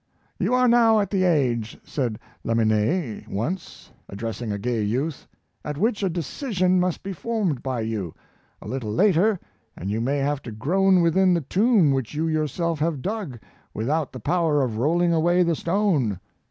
" You are now at the age," said Lamennais once, ad dressing a gay youth, " at which a decision must be formed by you; a little later and you may have to groan within the tomb which you yourself have dug, without the power of rolling away the stone.